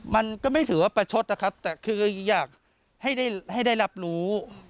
มันก็ไม่ถือว่าประชดนะครับแต่คืออยากให้ได้รับรู้